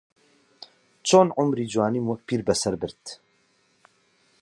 چۆن عومری جوانیم وەک پیربەسەر برد